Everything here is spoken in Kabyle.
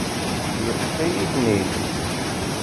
Yeṭṭef-iyi-ten-id.